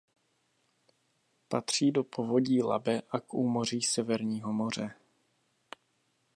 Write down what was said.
Patří do povodí Labe a k úmoří Severního moře.